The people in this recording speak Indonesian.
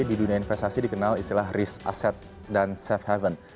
di dunia investasi dikenal istilah risk asset dan safe haven